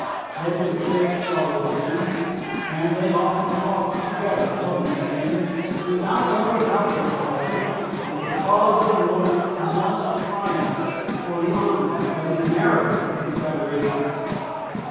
It was a great sorrow to them, and they often talked together of these things, without ever doubting however that the cause of the North must triumph, for the honor of the American Confederation.